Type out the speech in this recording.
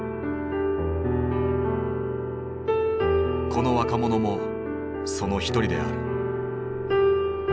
この若者もその一人である。